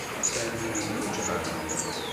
Sami iguǧǧ ɣer din.